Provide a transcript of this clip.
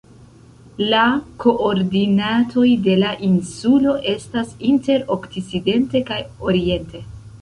La koordinatoj de la insulo estas inter okcidente kaj oriente.